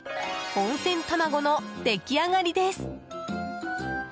温泉卵の出来上がりです。